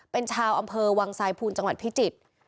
เป็นชาวอำเภอวังสายพูนจังหวัดพิจิตร